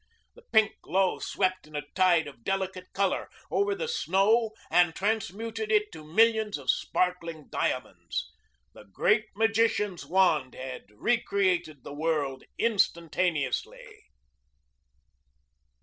The pink glow swept in a tide of delicate color over the snow and transmuted it to millions of sparkling diamonds. The Great Magician's wand had recreated the world instantaneously.